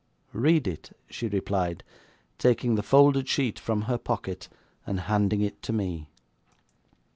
'Read it,' she replied, taking the folded sheet from her pocket, and handing it to me.